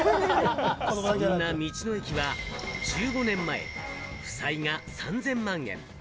そんな道の駅は１５年前、負債が３０００万円。